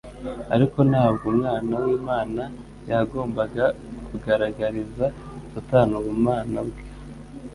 Ariko ntabwo Umwana w'Imana yagombaga kugaragariza Satani ubumana bwe,